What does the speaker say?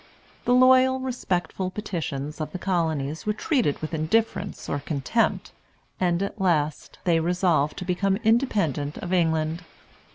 The loyal, respectful petitions of the Colonies were treated with indifference or contempt; and at last they resolved to become independent of England.